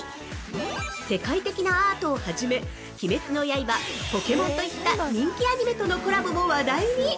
世界的なアートを初め、「鬼滅の刃」や「ポケモン」といった人気アニメとのコラボも話題に！